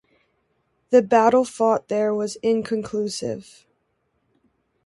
The battle fought there was inconclusive.